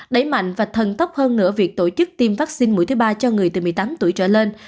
đẩy mạnh và thần tốc hơn nữa việc tổ chức tiêm vaccine mũi thứ ba cho người từ một mươi tám tuổi trở lên